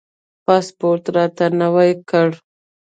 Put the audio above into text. پاسپورټ راته نوی کړ.